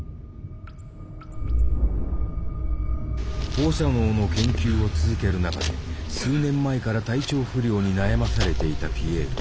放射能の研究を続ける中で数年前から体調不良に悩まされていたピエール。